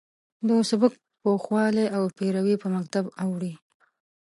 د سبک پوخوالی او پیروي په مکتب اوړي.